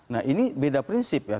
nah ini beda prinsip ya